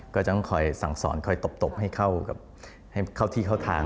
ก็จะต้องคอยสั่งสอนคอยตบให้เข้าที่เข้าทาง